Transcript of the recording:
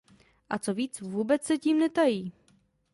A co víc, vůbec se tím netají!